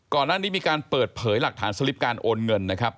ก่อนหน้านี้มีการเปิดเผยหลักฐานสลิปการโอนเงินนะครับ